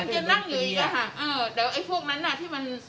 เดี๋ยวก็ถึงว่าแต่พวกนั้นอะที่มัน